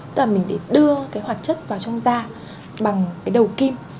tức là mình để đưa cái hoạt chất vào trong da bằng cái đầu kim